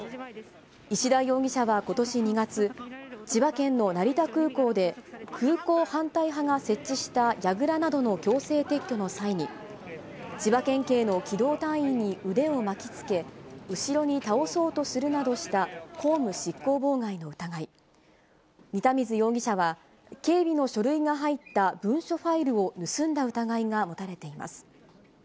石田容疑者はことし２月、千葉県の成田空港で、空港反対派が設置したやぐらなどの強制撤去の際に、千葉県警の機動隊員に腕を巻きつけ、後ろに倒そうとするなどした公務執行妨害の疑い、仁田水容疑者は警備の書類が入った文書ファイルを盗んだ疑いが持たれています。